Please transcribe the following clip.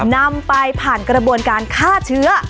นำไปผ่านกระบวนการฆ่าเชื้อ